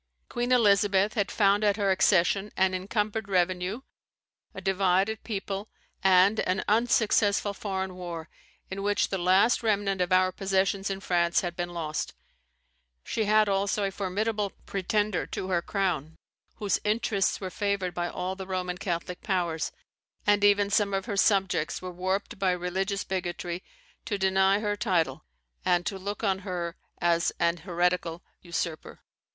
Queen Elizabeth had found at her accession an encumbered revenue, a divided people and an unsuccessful foreign war, in which the last remnant of our possessions in France had been lost; she had also a formidable pretender to her crown, whose interests were favoured by all the Roman Catholic powers; and even some of her subjects were warped by religious bigotry to deny her title, and to look on her as an heretical usurper.